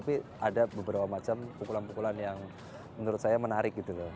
banyak macam pukulan pukulan yang menurut saya menarik gitu loh